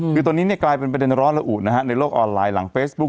คือตอนนี้กลายเป็นประเด็นร้อนระอุนะฮะในโลกออนไลน์หลังเฟซบุ๊ค